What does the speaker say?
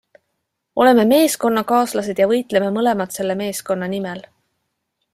Oleme meeskonnakaaslased ja võitleme mõlemad selle meeskonna nimel.